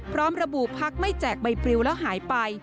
พร้อมระบุพักไม่แจกใบปริวแล้วหายไป